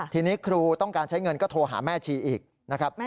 ทีนี้ครูต้องการใช้เงินก็โทรหาแม่ชีอีกนะครับ